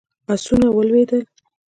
آسونه ولوېدل.